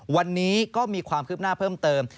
วันนี้ก็มีความคืบหน้าเพิ่มเติม